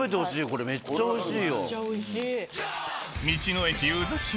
これめっちゃおいしいよ。